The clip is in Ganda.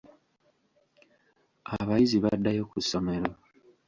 Abayizi baddayo ku ssomero.